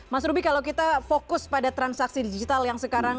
mas ruby kalau kita fokus pada transaksi digital yang sekarang